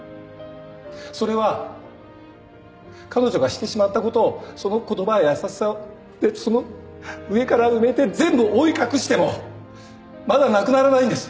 それは彼女がしてしまったことをその言葉や優しさでその上から埋めて全部覆い隠してもまだなくならないんです。